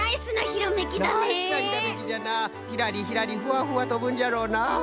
ひらりひらりふわふわとぶんじゃろうな！